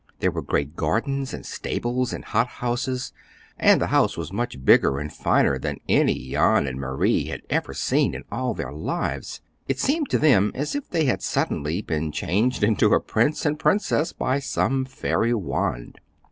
There were great gardens and stables and hothouses; and the house was much bigger and finer than any Jan and Marie had ever seen in all their lives. It seemed to them as if they had suddenly been changed into a prince and princess by some fairy wand.